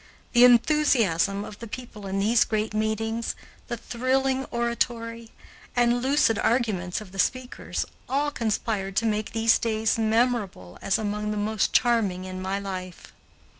The enthusiasm of the people in these great meetings, the thrilling oratory, and lucid arguments of the speakers, all conspired to make these days memorable as among the most charming in my life.